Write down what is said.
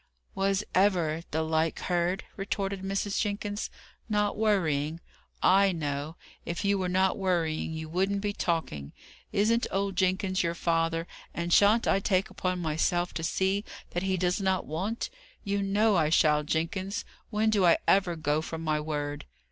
"Was ever the like heard?" retorted Mrs. Jenkins, "Not worrying! I know. If you were not worrying, you wouldn't be talking. Isn't old Jenkins your father, and shan't I take upon myself to see that he does not want? You know I shall, Jenkins. When do I ever go from my word?"